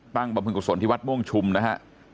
ตั้งบำคุณกุศลที่วัดม่วงชุมนะครับ